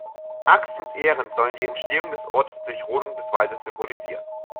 Axt und Ähren sollen die Entstehung des Ortes durch Rodung des Waldes symbolisieren.